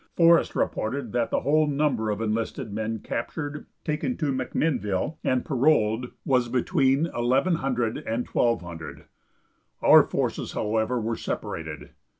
Forest reported that the whole number of enlisted men captured, taken to McMinnville and paroled was between 1,100 and 1,200. Our forces, however, were separated.